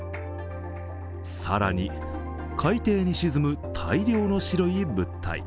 更に、海底に沈む大量の白い物体。